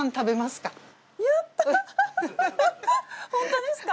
本当ですか？